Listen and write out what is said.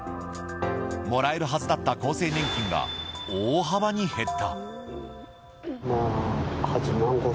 もらえるはずだった厚生年金が大幅に減った。